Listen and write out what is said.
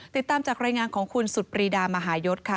ติดตามจากรายงานของคุณสุดปรีดามหายศค่ะ